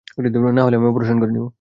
না হলে আমি অপারেশন করে নিব।